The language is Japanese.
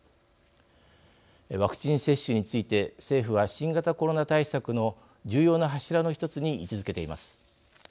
ワクチン接種について政府は新型コロナ対策の重要な柱のひとつに位置づけています。